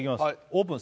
オープン！